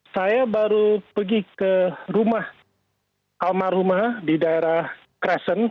saya baru pergi ke rumah almarhumah di daerah kressen